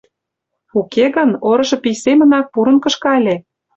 Уке гын, орышо пий семынак, пурын кышка ыле.